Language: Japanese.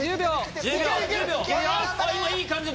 今いい感じに！